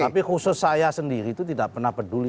tapi khusus saya sendiri itu tidak pernah peduli